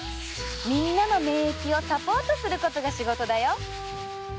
みんなの免疫をサポートすることが仕事だよ。